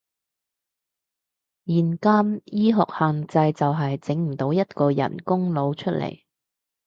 現今醫學限制就係，整唔到一個人工腦出嚟